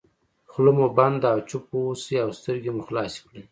خوله مو بنده او چوپ واوسئ او سترګې مو خلاصې کړئ.